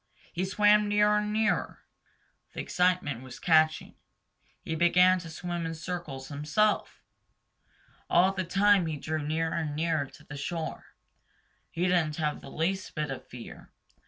He swam nearer and nearer. The excitement was catching. He began to swim in circles himself. All the time he drew nearer and nearer to the shore. He didn't have the least bit of fear.